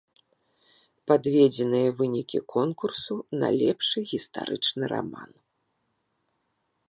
Падведзеныя вынікі конкурсу на лепшы гістарычны раман.